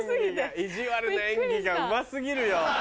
意地悪な演技がうま過ぎるよ